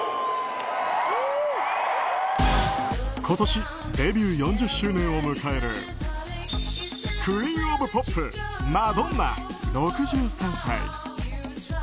今年デビュー４０周年を迎えるクイーン・オブ・ポップマドンナ、６３歳。